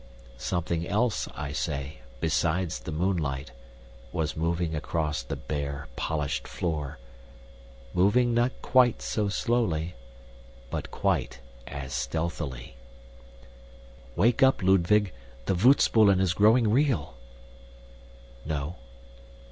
Something else, I say, besides the moonlight, was moving across the bare, polished floor moving not quite so slowly, but quite as stealthily. Wake up, Ludwig! The voetspoelen is growing real! No.